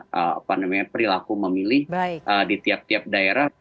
bagaimana pandemi perilaku memilih di tiap tiap daerah